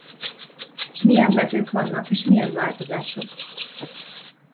Milyen mezők vannak és milyen változások?